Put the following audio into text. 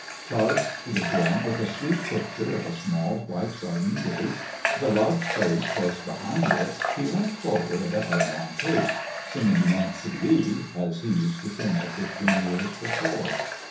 Charged to the brim with a sweet picture of a small, white garden gate, the loved face close behind it, he went forward at a headlong pace, singing "Nancy Lee" as he used to sing it fifteen years before.